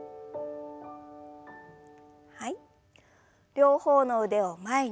両方の腕を前に。